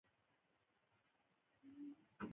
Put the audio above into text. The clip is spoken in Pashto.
د ټکنالوجۍ پرمختګ د هر عمر لپاره فرصتونه رامنځته کړي دي.